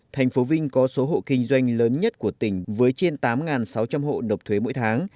thành phố vinh có số hộ kinh doanh lớn nhất của tỉnh với trên tám sáu trăm linh hộ nộp thuế mỗi tháng